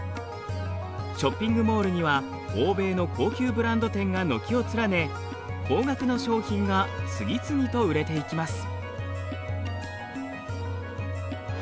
ショッピングモールには欧米の高級ブランド店が軒を連ね高額の商品が次々と売れていきます。